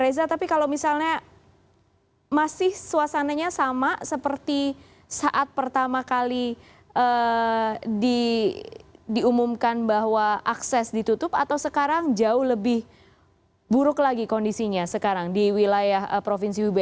reza tapi kalau misalnya masih suasananya sama seperti saat pertama kali diumumkan bahwa akses ditutup atau sekarang jauh lebih buruk lagi kondisinya sekarang di wilayah provinsi hubei